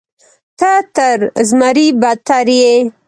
ته تر زمري بدتر یې.